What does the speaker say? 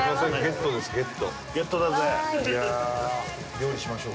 料理しましょう。